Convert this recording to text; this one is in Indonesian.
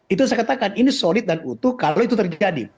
itu saya katakan ini solid dan utuh kalau itu terjadi